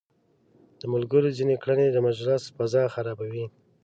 د ملګرو ځينې کړنې د مجلس فضا خرابوي.